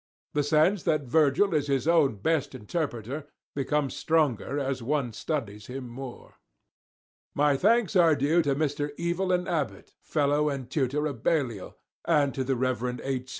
The sense that Virgil is his own best interpreter becomes stronger as one studies him more. My thanks are due to Mr. EVELYN ABBOTT, Fellow and Tutor of Balliol, and to the Rev. H.